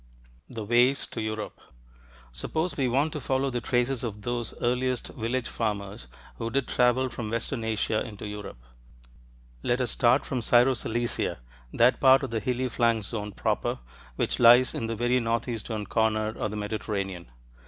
THE WAYS TO EUROPE Suppose we want to follow the traces of those earliest village farmers who did travel from western Asia into Europe. Let us start from Syro Cilicia, that part of the hilly flanks zone proper which lies in the very northeastern corner of the Mediterranean.